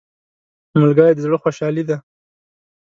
ملګری د زړه خوشحالي ده